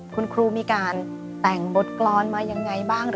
คุณครูมีการแต่งบทกรรมมายังไงบ้าง